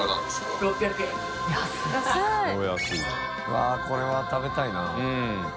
わっこれは食べたいな。